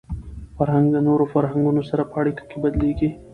فرهنګ د نورو فرهنګونو سره په اړیکه کي بدلېږي.